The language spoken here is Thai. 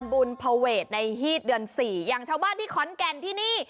บุญพระเวทในหี้ดเดือนสี่อย่างชาวบ้านที่ค้อนแกนที่นี่